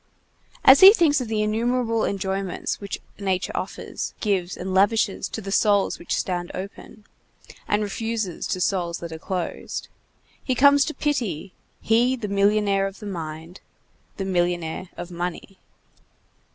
As he thinks of the innumerable enjoyments which nature offers, gives, and lavishes to souls which stand open, and refuses to souls that are closed, he comes to pity, he the millionnaire of the mind, the millionnaire of money.